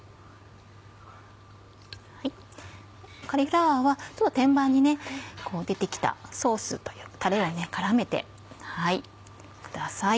カリフラワーは天板にこう出て来たソースタレを絡めてください。